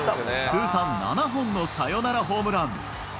通算７本のサヨナラホームラン。